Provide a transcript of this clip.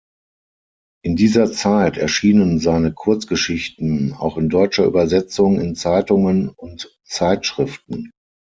In dieser Zeit erschienen seine Kurzgeschichten auch in deutscher Übersetzung in Zeitungen und Zeitschriften.